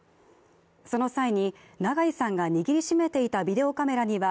その際に、長井さんが握り締めていたビデオカメラには